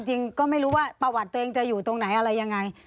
จริงก็ไม่รู้ว่าประวัติตัวเองจะอยู่ตรงไหนอะไรยังไง